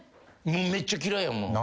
めっちゃ嫌いやもん。